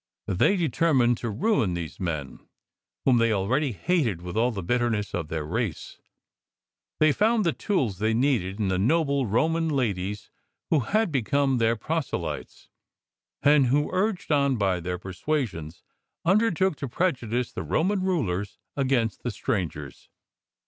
They determined to rain these men whom they already hated with all the bitterness of their race. They found the tools they needed in the noble Roman ladies who had become their proselytes, and who, " 'A f ■ I r I i':. LIFE OF ST. PAUL 42 urged on by their persuasions, undertook to prejudice the Roman Rulers against the strangers.